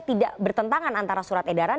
tidak bertentangan antara surat edaran